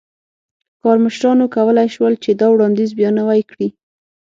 کارمشرانو کولای شول چې دا وړاندیز بیا نوی کړي.